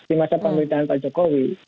di masa pemerintahan pak jokowi